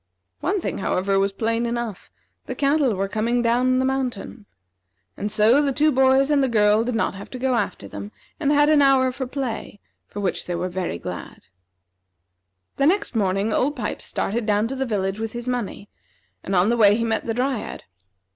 One thing, however, was plain enough: the cattle were coming down the mountain. And so the two boys and the girl did not have to go after them, and had an hour for play, for which they were very glad. The next morning Old Pipes started down to the village with his money, and on the way he met the Dryad.